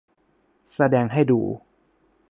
แสดงให้ดู